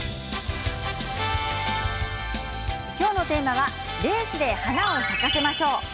きょうのテーマはレースで花を咲かせましょう。